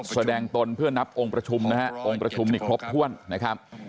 ตนเพื่อนับองค์ประชุมนะฮะองค์ประชุมนี่ครบถ้วนนะครับ